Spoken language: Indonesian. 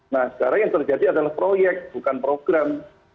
nah sekarang yang terjadi adalah proyek bukan program